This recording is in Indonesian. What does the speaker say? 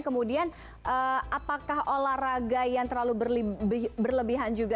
kemudian apakah olahraga yang terlalu berlebihan juga